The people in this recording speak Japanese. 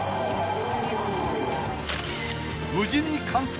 ［無事に完走。